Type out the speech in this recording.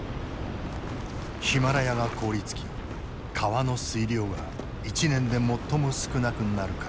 ヒマラヤが凍りつき川の水量が一年で最も少なくなるからだ。